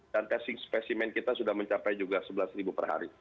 dan testing spesimen kita sudah mencapai juga sebelas perhari